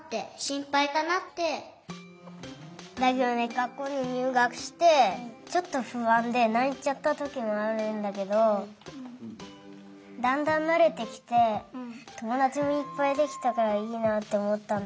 学校ににゅうがくしてちょっとふあんでないちゃったときもあるんだけどだんだんなれてきてともだちもいっぱいできたからいいなっておもったの。